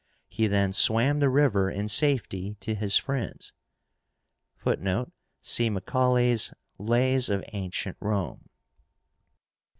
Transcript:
He then swam the river in safety to his friends. (Footnote: See Macaulay's "Lays of Ancient Rome.")